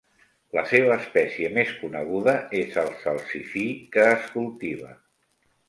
La seva espècie més coneguda és el salsifí que es cultiva.